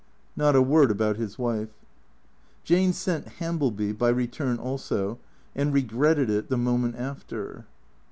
Not a word about his wife. Jane sent Hambleby (by return also) and regretted it the moment after.